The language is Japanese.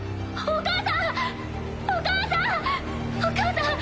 お母さん！